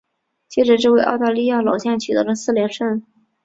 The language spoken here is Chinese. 接着这位澳大利亚老将取得了四连胜。